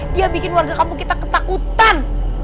dia bikin warga kampung kita ketakutan